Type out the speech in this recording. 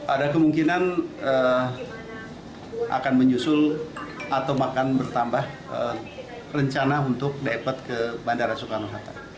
ada kemungkinan akan menyusul atau akan bertambah rencana untuk dapat ke bandara soekarno hatta